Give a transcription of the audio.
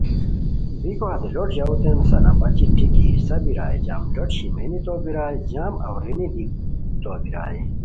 بیکو ہتے لوٹ ژاؤتین سنابچی ٹیکی حصّہ بیرائے، جام لوٹ شیمینی تو بیرائے جام اورینی دی تو بیرائے